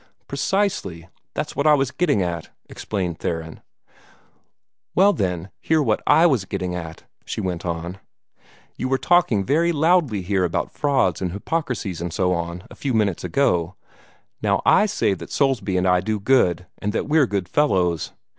"Precisely. That was what I was getting at," explained Theron. "Well, then, hear what I was getting at," she went on. "You were talking very loudly here about frauds and hypocrisies and so on, a few minutes ago. Now I say that Soulsby and I do good, and that we're good fellows.